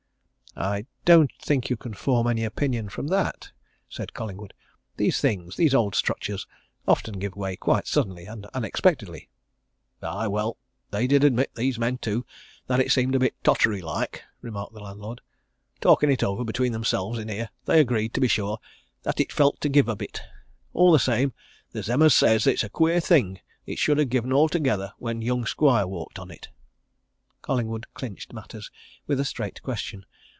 "I don't think you can form any opinion from that!" said Collingwood. "These things, these old structures, often give way quite suddenly and unexpectedly." "Ay, well, they did admit, these men too, that it seemed a bit tottery, like," remarked the landlord. "Talking it over, between themselves, in here, they agreed, to be sure, that it felt to give a bit. All the same, there's them as says that it's a queer thing it should ha' given altogether when young squire walked on it." Collingwood clinched matters with a straight question.